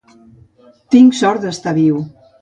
Tinc sort d"estar viu.